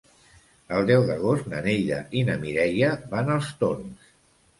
El deu d'agost na Neida i na Mireia van als Torms.